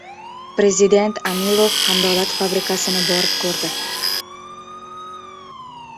Prezident «Amilov» qandolat fabrikasini borib ko‘rdi